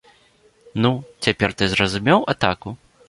Ну, цяпер ты зразумеў атаку?